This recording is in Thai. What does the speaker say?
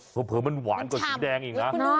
เผลอมันหวานกว่าสีแดงอีกนะ